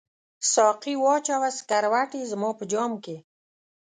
ساقي واچوه سکروټي زما په جام کې